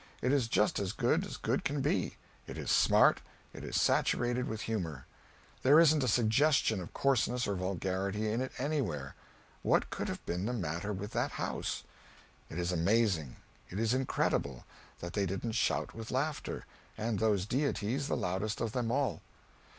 It is just as good as good can be. It is smart; it is saturated with humor. There isn't a suggestion of coarseness or vulgarity in it anywhere. What could have been the matter with that house? It is amazing, it is incredible, that they didn't shout with laughter, and those deities the loudest of them all.